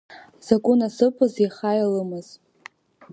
Заку насыԥыз иаха илымаз…